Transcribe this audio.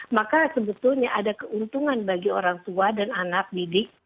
maka sebetulnya ada keuntungan bagi orang tua dan anak didik